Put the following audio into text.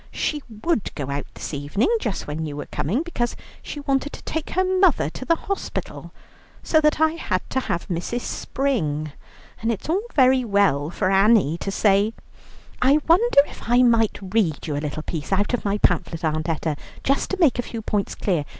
She would go out this evening just when you were coming, because she wanted to take her mother to the hospital, so that I had to have Mrs. Spring, and it is all very well for Annie to say " "I wonder if I might read you a little piece out of my pamphlet, Aunt Etta, just to make a few points clear.